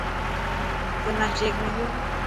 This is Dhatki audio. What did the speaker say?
تنا چيڪ مليو.